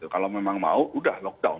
kalau memang mau udah lockdown